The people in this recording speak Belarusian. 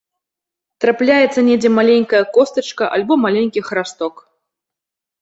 Трапляецца недзе маленькая костачка, альбо маленькі храсток.